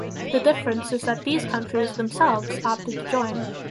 The difference is that these countries themselves opted to join.